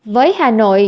với hà nội